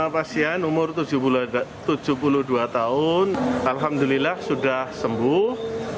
pasien umur tujuh puluh dua tahun alhamdulillah sudah sembuh